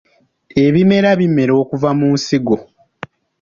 Ebimera bimera kuva mu nsigo.